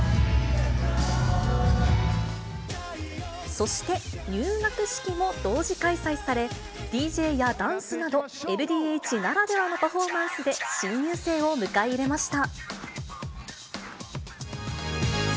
そして入学式も同時開催され、ＤＪやダンスなど、ＬＤＨならではのパフォーマンスで、新入生を迎え入れました。